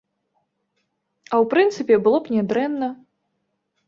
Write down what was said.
А ў прынцыпе, было б нядрэнна.